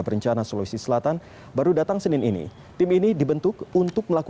pertemuan itu berlangsung tertutup